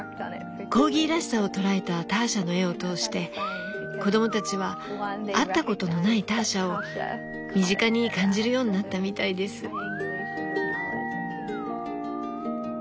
コーギーらしさを捉えたターシャの絵を通して子供たちは会ったことのないターシャを身近に感じるようになったみたいです。